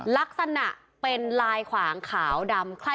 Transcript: ลักษณะเป็นลายขวางขาวดำ